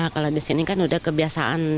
kalau di sini kan udah kebiasaan